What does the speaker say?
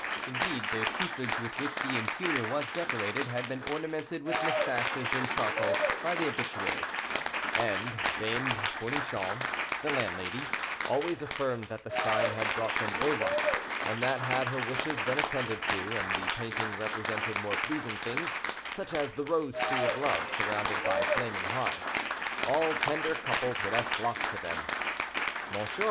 Indeed, the cupids with which the interior was decorated had been ornamented with mustaches in charcoal by the habitues; and Dame Fournichon, the landlady, always affirmed that the sign had brought them ill luck, and that had her wishes been attended to, and the painting represented more pleasing things, such as the rose tree of love surrounded by flaming hearts, all tender couples would have flocked to them. M.